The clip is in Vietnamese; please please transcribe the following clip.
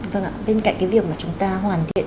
vâng ạ bên cạnh cái việc mà chúng ta hoàn thiện